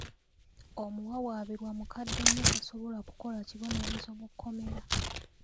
Omuwawaabirwa mukadde nnyo tasobola kukola kibonerezo mu kkomera.